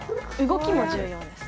動きも重要です。